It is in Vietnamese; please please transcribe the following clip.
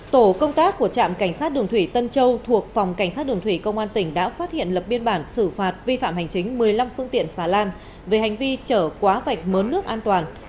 tổ công tác của trạm cảnh sát đường thủy tân châu thuộc phòng cảnh sát đường thủy công an tỉnh đã phát hiện lập biên bản xử phạt vi phạm hành chính một mươi năm phương tiện xà lan về hành vi chở quá vạch mớn nước an toàn